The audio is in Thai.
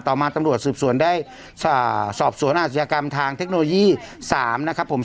มาตำรวจสืบสวนได้สอบสวนอาชญากรรมทางเทคโนโลยี๓นะครับผม